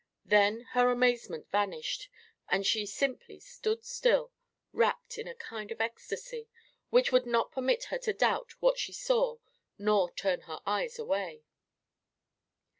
Then her amazement vanished and she simply stood still, rapt in a kind of ecstasy, which would not permit her to doubt what she saw nor turn her eyes away.